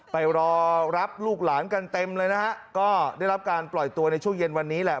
ไปรอรับลูกหลานกันเต็มเลยนะฮะก็ได้รับการปล่อยตัวในช่วงเย็นวันนี้แหละ